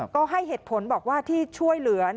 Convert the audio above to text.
ก็ให้เหตุผลบอกว่าที่ช่วยเหลือ